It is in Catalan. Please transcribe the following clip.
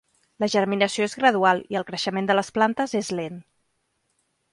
La germinació és gradual i el creixement de les plantes és lent.